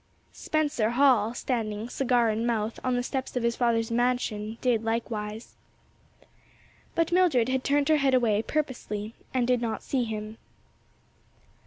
Spencer Hall, standing, cigar in mouth, on the steps of his father's mansion, did likewise. But Mildred had turned her head away, purposely, and did not see him.